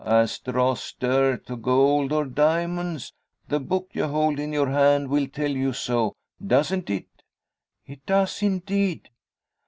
As dross dirt, to gold or diamonds! The book you hold in your hand will tell you so. Doesn't it?" "It does, indeed."